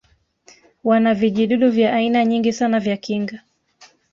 wana vijidudu vya aina nyingi sana vya kinga